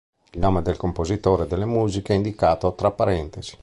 Il nome del compositore delle musiche è indicato tra parentesi.